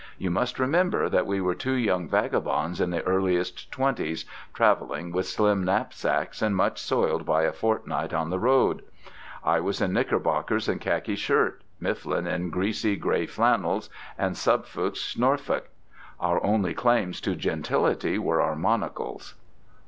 You must remember that we were two young vagabonds in the earliest twenties, travelling with slim knapsacks, and much soiled by a fortnight on the road. I was in knickerbockers and khaki shirt; Mifflin in greasy gray flannels and subfusc Norfolk. Our only claims to gentility were our monocles.